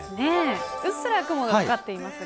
うっすら雲がかかっていますが。